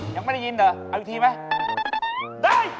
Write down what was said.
ยังไม่ได้ยินเหรอเอาอีกทีไหม